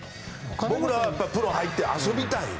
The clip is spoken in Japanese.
僕らプロ入って、遊びたい。